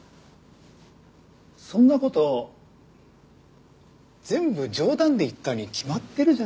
そんな事全部冗談で言ったに決まってるじゃないですか。